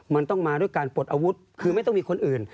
มันต้องมาด้วยการปลดอาวุธคือไม่ต้องมีคนอื่น